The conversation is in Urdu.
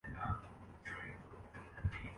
وہ وزارت عظمی کے منصب کے لیے نااہل ہو جا تا ہے۔